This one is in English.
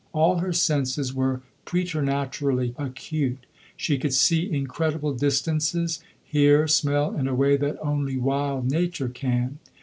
All her senses were preternaturally acute she could see incredible distances, hear, smell, in a way that only wild nature can.